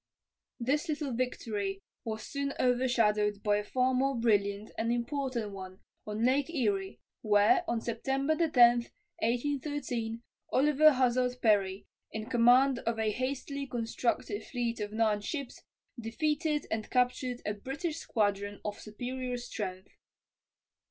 This little victory was soon overshadowed by a far more brilliant and important one on Lake Erie, where, on September 10, 1813, Oliver Hazard Perry, in command of a hastily constructed fleet of nine ships, defeated and captured a British squadron of superior strength.